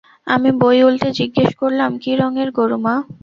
আমি বই উল্টে জিজ্ঞেস করলাম, কী রঙের গরু, মা?